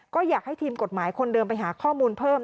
ก็อยากให้ทีมกฎหมายคนเดิมไปหาข้อมูลเพิ่ม